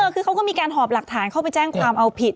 คือเขาก็มีการหอบหลักฐานเข้าไปแจ้งความเอาผิด